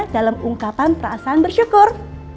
dalam ungkapan perasaan bersyukur